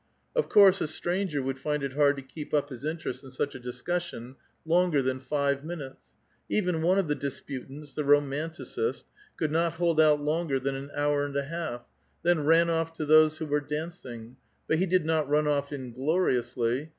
01 course a stranger would fiud it hard to keep up his interest in such a discussion longer than five minutes ; even cue of the disputants, the romanticist, could not hold out longei than an hour and a half, then ran off to those who were dancing ; but he did not run off ingloriously.